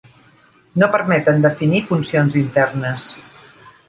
No permeten definir funcions internes.